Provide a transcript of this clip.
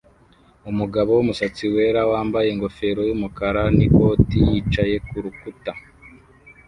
Umugabo wumusatsi wera wambaye ingofero yumukara n'ikoti yicaye kurukuta